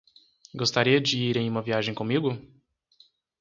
Gostaria de ir em uma viagem comigo?